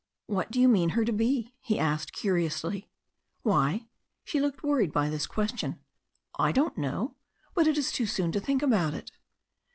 "What do you mean her to be?" he asked curiously. "Why," she looked worried by this question, "I don't know. But it is too soon to think about it."